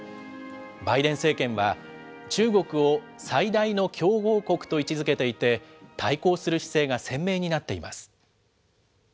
バイデン政権は、中国を最大の競合国と位置づけていて、対抗する姿勢が鮮明になっています。